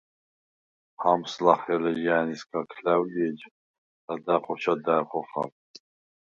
ჰამს ლახე ლეჟა̄̈ნისგა ქლა̈ვ ლი, ეჯ ლადა̈ღ ხოჩა და̄̈რ ხოხალ.